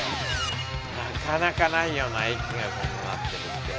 なかなかないよな駅がこんななってるって。